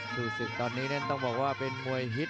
ซู้สึกตอนนี้ต้องบอกว่าเป็นมวยฮิต